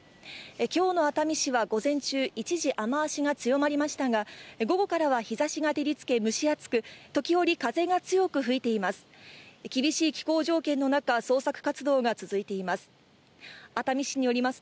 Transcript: きょうの熱海市は午前中、一時雨足が強まりましたが、午後からは日ざしが照りつけ蒸し暑く、時折、風が強く吹いています。